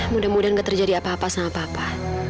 mudah mudahan gak terjadi apa apa sama papa